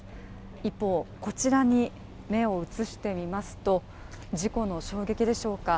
一方、こちらに目を移してみますと、事故の衝撃でしょうか？